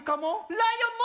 ライオンも？